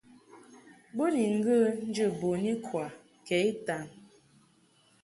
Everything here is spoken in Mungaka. Bo ni ŋgə̌ njə̌ bun ikwa kɛ itan.